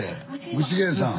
具志堅さん。